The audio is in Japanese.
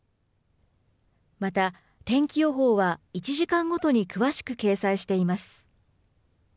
また天気予報は１時間ごとに詳しく掲載しています。